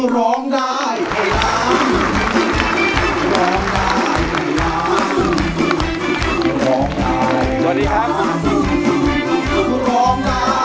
ร้องได้ให้ร้อง